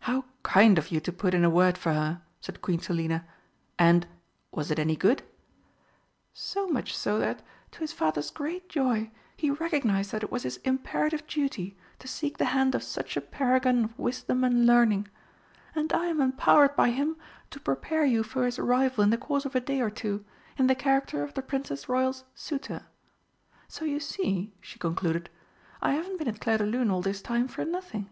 "How kind of you to put in a word for her!" said Queen Selina. "And was it any good?" "So much so that, to his father's great joy, he recognised that it was his imperative duty to seek the hand of such a paragon of wisdom and learning. And I am empowered by him to prepare you for his arrival in the course of a day or two, in the character of the Princess Royal's suitor. So you see," she concluded, "I haven't been at Clairdelune all this time for nothing."